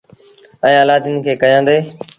ائيٚݩ الآدين کي ڪيآندي۔